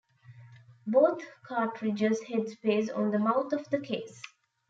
Both cartridges headspace on the mouth of the case.